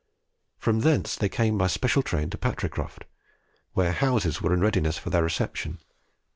From thence they came by special train to Patricroft, where houses were in readiness for their reception.